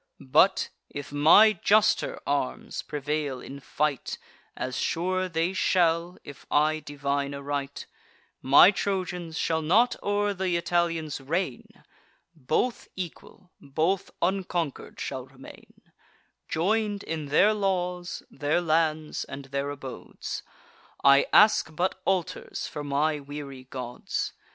But, if my juster arms prevail in fight, (As sure they shall, if I divine aright,) My Trojans shall not o'er th' Italians reign: Both equal, both unconquer'd shall remain, Join'd in their laws, their lands, and their abodes; I ask but altars for my weary gods.